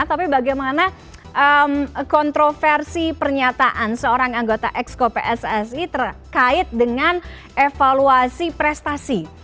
tapi bagaimana kontroversi pernyataan seorang anggota exco pssi terkait dengan evaluasi prestasi